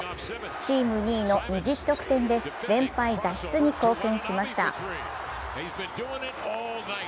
チーム２位の２０得点で、連敗脱出に貢献しました。